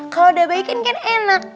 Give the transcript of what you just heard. kalo udah baik kan enak